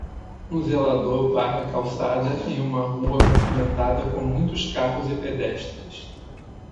Um zelador varre a calçada em uma rua movimentada com muitos carros e pedestres.